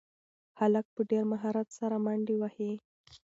هلک په ډېر مهارت سره منډې وهي.